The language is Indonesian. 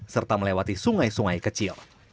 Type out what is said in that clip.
serta melewati sungai sungai kecil